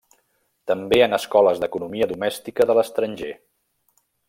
També en escoles d'economia domèstica de l'estranger.